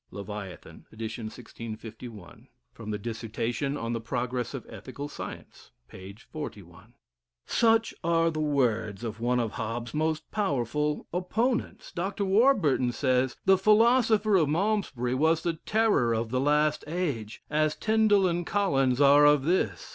* Leviathan. Ed. 1651. Dissertation on the Progress of Ethical Science, p. 41. Such are the words of one of Hobbes's most powerful opponents. Dr. Warburton says, "The philosopher of Malmesbury was the terror of the last age, as Tin dal and Collins are of this.